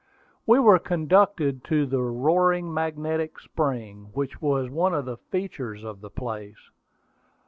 We were conducted to the "Roaring Magnetic Spring," which was one of the features of the place.